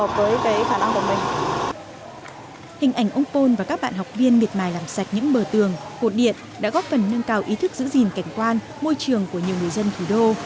quan môi trường của nhiều người dân thủ đô hình ảnh ông pôn và các bạn học viên miệt mài làm sạch những bờ tường hột điện đã góp phần nâng cao ý thức giữ gìn cảnh quan môi trường của nhiều người dân thủ đô